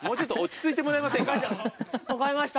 分かりました。